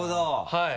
はい。